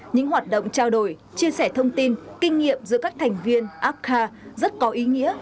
những hoạt động trao đổi chia sẻ thông tin kinh nghiệm giữa các thành viên apca rất có ý nghĩa